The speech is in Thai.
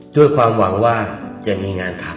ด้วยความหวังว่าจะมีงานทำ